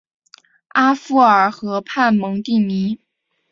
阿夫尔河畔蒙蒂尼。